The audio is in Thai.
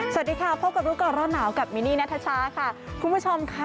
สวัสดีค่ะพบกับรู้ก่อนร้อนหนาวกับมินนี่นัทชาค่ะคุณผู้ชมค่ะ